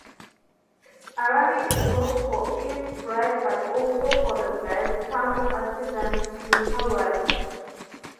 Arani is known for its bread but also for the town's artisan wickerwork.